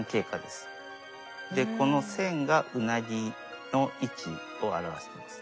この線がウナギの位置を表してます。